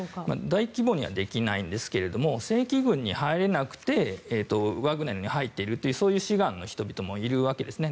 大規模にはできないですけれども正規軍に入れなくてワグネルに入っているという志願の人々もいるわけですね。